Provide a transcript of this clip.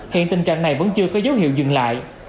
hiện tình trạng này vẫn chưa có dấu hiệu dừng lại